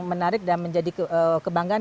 menarik dan menjadi kebanggaan